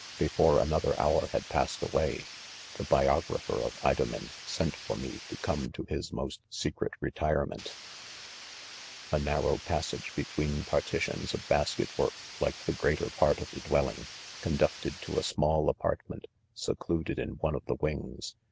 Before another hour had .passed away, the biographer of Wo men sent for me to come to his most secret retirement, , A narrow passage between partitions of bas THE CONFESSIONS. 73" ket wort like thegreaterpartof the dwelling, ■ conducted ' to a small apartment, secluded in one of the wings